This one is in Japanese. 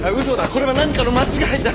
これは何かの間違いだ！